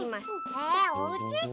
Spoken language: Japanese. えっおうち？